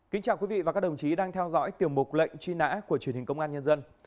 kính chào quý vị và các đồng chí đang theo dõi tiểu mục lệnh truy nã của truyền hình công an nhân dân